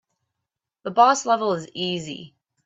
The boss level is easy.